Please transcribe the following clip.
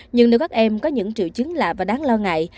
nhưng nếu các em có những triệu chứng lạ và đáng lo ngại